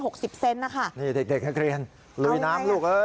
นี่เด็กให้เรียนลุยน้ำลูก